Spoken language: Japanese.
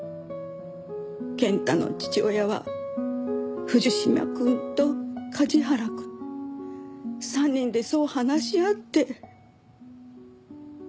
健太の父親は藤島くんと梶原くん。３人でそう話し合って。